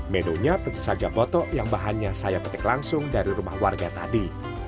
menunya tentu saja botok yang bahannya saya petik langsung dari rumah warga tadi